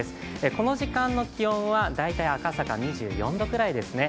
この時間の気温は大体赤坂、２４度ぐらいですね。